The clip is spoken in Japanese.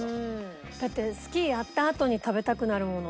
だってスキーやったあとに食べたくなるものって事。